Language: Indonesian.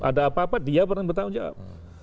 ada apa apa dia pernah bertanggung jawab